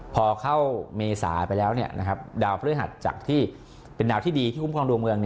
พอเข้าเมษาไปแล้วดาวพฤหัสจากที่เป็นดาวที่ดีที่คุ้มครองดวงเมือง